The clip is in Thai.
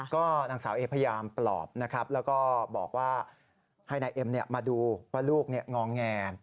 ก็นางสาวเอพยายามปลอบนะครับแล้วก็บอกว่าให้นายเอ็มมาดูว่าลูกงอแง